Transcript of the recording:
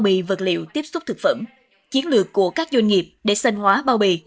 bì vật liệu tiếp xúc thực phẩm chiến lược của các doanh nghiệp để xanh hóa bao bì